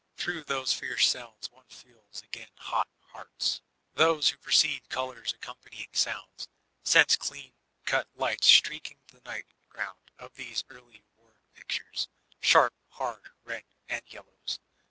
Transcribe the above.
Through those fierce sounds one feels again hot hearts. Those who perceive colors accompanying sounds, sense clean cut lights streaking the night grotmd of these early word pictures; sharp, hard, reds and yellows.